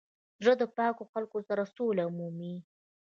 زړه د پاکو خلکو سره سوله مومي.